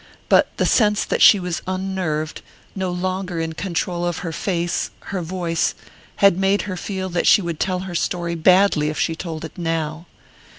But the sense that she was unnerved no longer in control of her face, her voice made her feel that she would tell her story badly if she told it now....